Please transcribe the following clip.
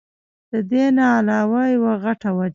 د دې نه علاوه يوه غټه وجه